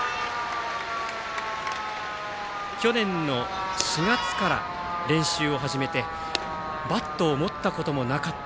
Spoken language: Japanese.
去年の４月から練習を始めてバットを持ったこともなかった。